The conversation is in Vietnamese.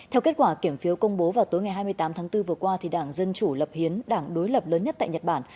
theo kết quả kiểm phiếu công bố vào tối ngày hai mươi tám tháng bốn vừa qua đảng dân chủ lập hiến đảng đối lập lớn nhất tại nhật bản